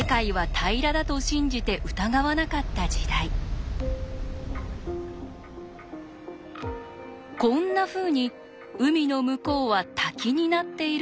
こんなふうに海の向こうは滝になっているという話まであったんです。